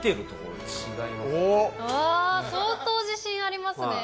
うわ相当自信ありますね。